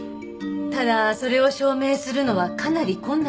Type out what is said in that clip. ただそれを証明するのはかなり困難ですが。